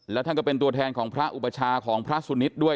แล้วท่านก็เป็นตัวแทนของพระอุปชาของพระสุนิทด้วย